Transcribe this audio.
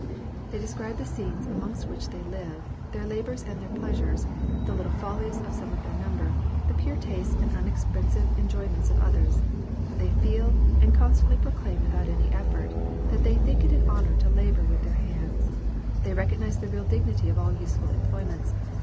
They describe the scenes amongst which they live, their labors and their pleasures, the little follies of some of their number, the pure tastes and unexpensive enjoyments of others. They feel, and constantly proclaim without any effort, that they think it an honor to labor with their hands. They recognize the real dignity of all useful employments.